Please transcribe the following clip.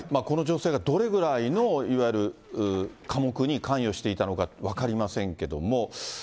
この女性がどれぐらいの、いわゆる科目に関与していたのか分かりませんけども。